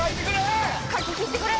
書き切ってくれ！